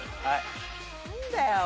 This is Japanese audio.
何だよ！